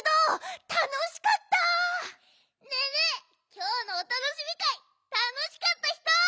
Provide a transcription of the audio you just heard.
きょうのおたのしみかいたのしかったひと！